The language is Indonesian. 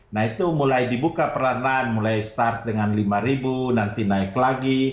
nah itu mulai dibuka peranan mulai start dengan rp lima nanti naik lagi